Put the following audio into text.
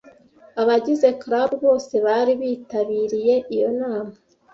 Abagize club bose bari bitabiriye iyo nama.